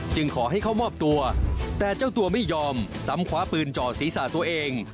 ขอให้เข้ามอบตัวแต่เจ้าตัวไม่ยอมซ้ำคว้าปืนจ่อศีรษะตัวเอง